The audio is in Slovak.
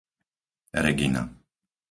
Regina